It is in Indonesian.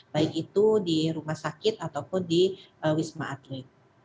baik itu di rumah sakit ataupun di wisma atlet